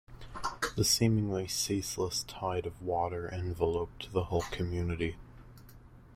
The seemingly ceaseless tide of water enveloped the whole community.